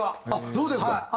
そうですか。